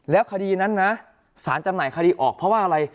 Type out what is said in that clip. แล้วคดีนั้นนะสารจำหน่ายคดีออกเพราะว่าอะไร